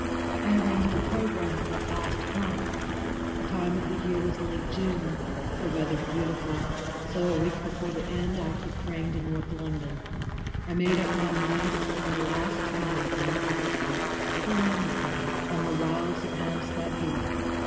I arranged a programme for that last night. The time of the year was late June, the weather beautiful, so a week before the end I took train to North London. I made up my mind to spend the last night of grandfather's life quite alone with him on the wilds of Hampstead Heath.